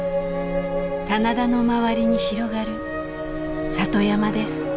棚田の周りに広がる里山です。